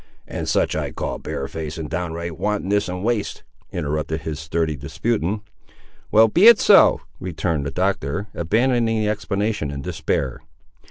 "And such I call barefaced and downright wantonness and waste," interrupted his sturdy disputant. "Well, be it so," returned the Doctor, abandoning the explanation in despair.